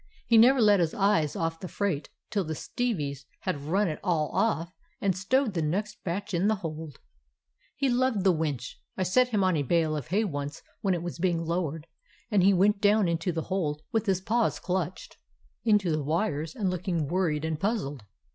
He never let his eye off the freight till the stevies had run it all off and stowed the next batch in the hold. "He loved the winch. I set him on a bale of hay once when it was being lowered, and he went down into the hold with his paws clutched 220 A CALIFORNIA SEA DOG into the wires and looking worried and puz zled.